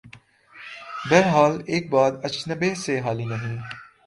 بہرحال ایک بات اچنبھے سے خالی نہیں۔